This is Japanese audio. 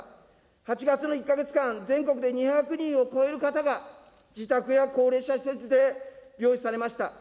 ８月の１か月間、全国で２００人を超える方が、自宅や高齢者施設で病死されました。